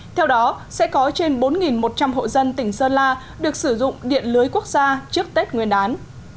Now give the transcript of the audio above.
theo đó sẽ có trên bốn một trăm linh hộ dân tỉnh sơn la được sử dụng điện lưới quốc gia trước tết nguyên đán